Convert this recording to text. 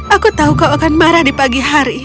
aku tahu kau akan marah di pagi hari